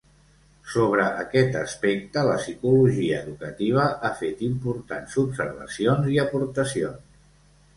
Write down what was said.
Sobre aquest aspecte, la psicologia educativa ha fet importants observacions i aportacions.